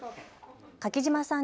柿島さん